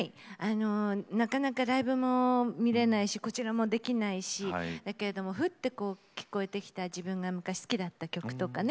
なかなかライブも見れないしこちらもできないしだけれどもふってこう聞こえてきた自分が昔好きだった曲とかね